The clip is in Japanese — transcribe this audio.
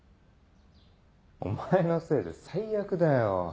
お前のせいで最悪だよ。